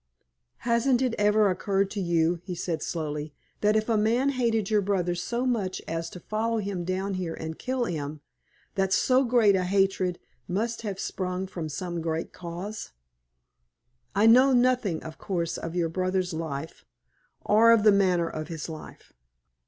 "Hasn't it ever occurred to you," he said, slowly, "that if a man hated your brother so much as to follow him down here and kill him, that so great a hatred must have sprung from some great cause? I know nothing, of course, of your brother's life, or of the manner of his life.